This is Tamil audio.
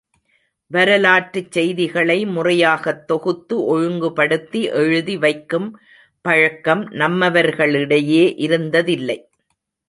வரலாற்றுச் செய்திகளை முறையாகத் தொகுத்து ஒழுங்குபடுத்தி எழுதி வைக்கும் பழக்கம் நம்மவர்களிடையே இருந்ததில்லை.